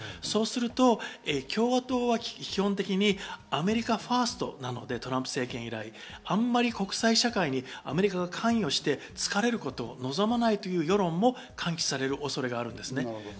そうすると共和党は基本的にアメリカファーストなので、トランプ政権以来、あんまり国際社会にアメリカが関与してつかれることを望まないという世論も喚起される恐れがあるんです。